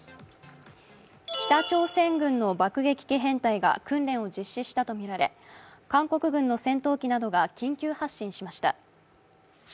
北朝鮮軍の爆撃機編隊が訓練を実施したとみられ韓国軍の戦闘機などが緊急発進しました。